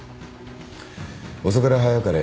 遅かれ早かれ